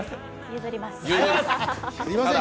譲ります。